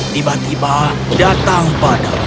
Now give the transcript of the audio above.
tiba tiba datang padanya